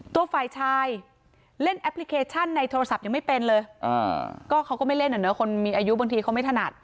ตัวฝ่ายชายเล่นแอปพลิเคชันในโทรศัพท์ยังไม่เป็นเลยก็เขาก็ไม่เล่นอ่ะเนอะคนมีอายุบางทีเขาไม่ถนัด